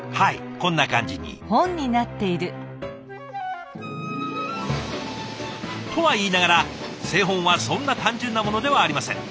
こんな感じに。とはいいながら製本はそんな単純なものではありません。